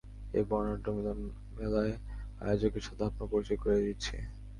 এই বর্নাঢ্য মিলমেলার আয়োজকের সাথে আপনাদের পরিচয় করিয়ে দিচ্ছি!